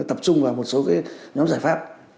tập trung vào một số cái nhóm giải pháp